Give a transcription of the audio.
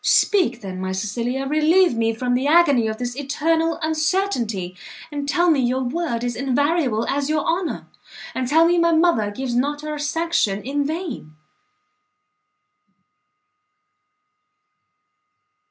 Speak, then, my Cecilia! relieve me from the agony of this eternal uncertainty, and tell me your word is invariable as your honour, and tell me my mother gives not her sanction in vain!"